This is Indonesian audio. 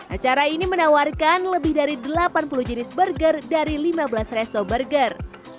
acara ini menawarkan lebih dari delapan puluh jenis burger dari lima belas resto burger